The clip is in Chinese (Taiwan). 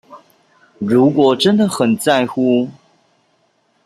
如果真的很在乎